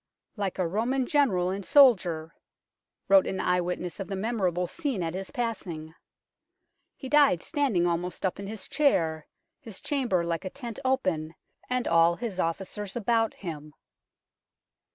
" Like a Roman general and soldier," wrote an eye witness of the memor able scene at his passing, " he died standing almost up in his chair, his chamber like a tent open, and all his officers about him."